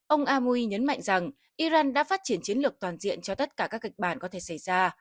ông amui nhấn mạnh rằng iran đã phát triển chiến lược toàn diện cho tất cả các kịch bản có thể xảy ra